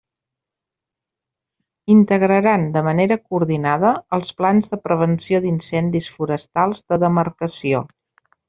Integraran, de manera coordinada, els plans de prevenció d'incendis forestals de demarcació.